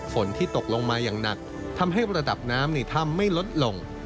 ฝนที่ตกลงมาอย่างหนักทำให้ระดับน้ำในถ้ำไม่ลดลง